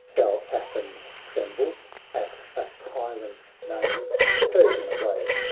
Shall Athens tremble at a tyrant's name ? Persian, away !